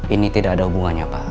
ini tidak ada hubungannya pak